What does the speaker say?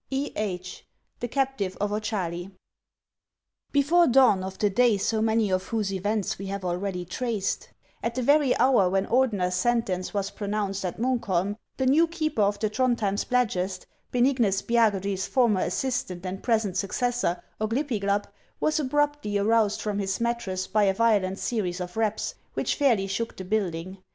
— E. H. : The Captive of Ochali. BEFORE dawn of the day so many of whose events we have already traced, at the very hour when Ordener's sentence was pronounced at Munkholm, the new keeper of the Throndhjem Spladgest, Benignus Spia gudry's former assistant and present successor, Oglypiglap, was abruptly aroused from his mattress by a violent series of raps, which fairly shook the building.